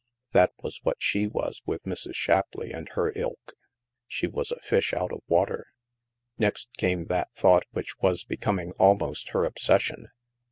That was what she was with Mrs. Shapleigh and her ilk. She was a fish out of water. Next came that thought which was becoming al most her obsession.